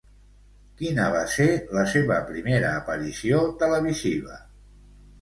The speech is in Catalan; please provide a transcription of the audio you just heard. Quina va ser la seva primera aparició televisiva?